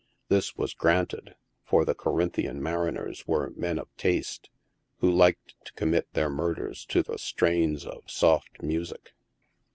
This was granted, for the Corinthian mariners were men of taste, who liked to commit their murders to the strains of soft music.